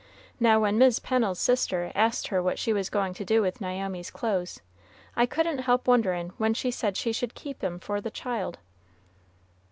"Now when Mis' Pennel's sister asked her what she was going to do with Naomi's clothes, I couldn't help wonderin' when she said she should keep 'em for the child."